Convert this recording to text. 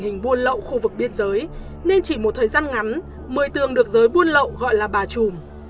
mười tường buôn lậu khu vực biên giới nên chỉ một thời gian ngắn mười tường được giới buôn lậu gọi là bà chùm